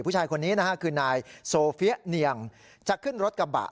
ผู้ชายคนนี้นะฮะคือนายโซเฟียเนียงจะขึ้นรถกระบะ